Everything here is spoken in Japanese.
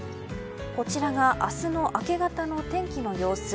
こちらが明日の明け方の天気の様子。